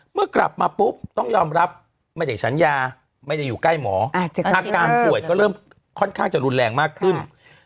เมื่อกลับมาปุ๊บต้องยอมรับไม่ได้ฉันยาไม่ได้อยู่ใกล้หมออาการป่วยก็เริ่มค่อนข้างจะรุนแรงมากขึ้น